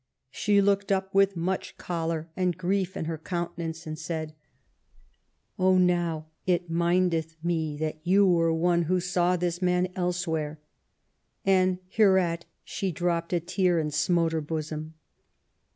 She looked up with much choler and grief in her countenance, and said :' Oh, now it mindeth me that you were one who saw this man elsewhere,* and hereat she dropped a tear and smote her bosom.